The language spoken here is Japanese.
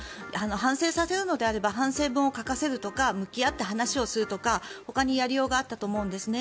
反省させるのであれば反省文を書かせるとか向き合って話をするとかほかにやりようがあったと思うんですね。